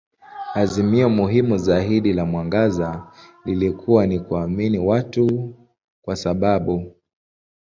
Azimio muhimu zaidi la mwangaza lilikuwa ni kuamini watu kwa sababu.